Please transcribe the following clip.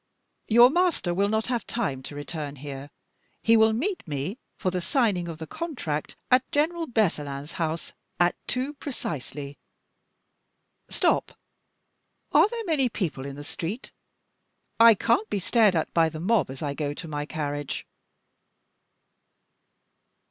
Your master will not have time to return here. He will meet me, for the signing of the contract, at General Berthelin's house at two precisely. Stop! Are there many people in the street? I can't be stared at by the mob as I go to my carriage."